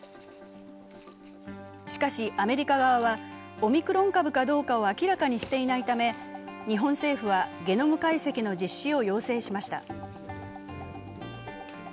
しかし、アメリカ側はオミクロン株かどうかを明らかにしていないため日本政府は、ゲノム解析の実施を要請しました。